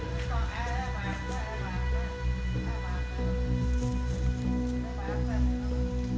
kita untuk memperbaiki bagian kepada